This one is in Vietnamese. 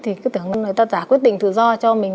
thì cứ tưởng là người ta đã quyết định thự do cho mình